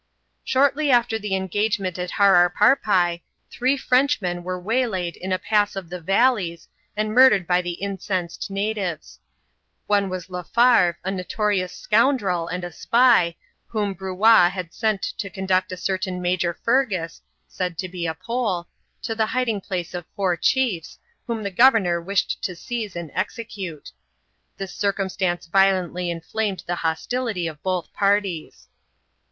Shortly after the engagement at Hararparpi, three Frenoh* an w«re w«ylaid in a pass of the valleys, and murdered by the ineenaed natives. One was Lefevre, a notorious scoundrel, ttd a BpYy whom Bruat had sent to conduct a certain Migi^ Ftt^s (said to be a Pole), to tt» hiding place of £our dii^ wbom the governor wished to eeize and execute. This cir* eamstance violently inflamed the hostility <^ both parties.